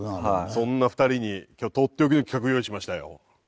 そんな２人に今日とっておきの企画用意しましたよ。